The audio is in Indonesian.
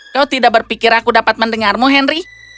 kau tidak berpikir aku dapat mendengarmu henry